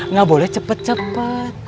nggak boleh cepet cepet